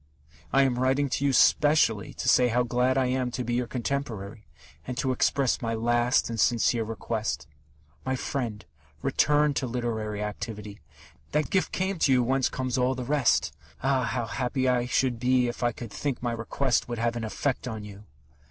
I am writing to you specially to say how glad I am to be your contemporary, and to express my last and sincere request. My friend, return to literary activity! That gift came to you whence comes all the rest. Ah, how happy I should be if I could think my request would have an effect on you!...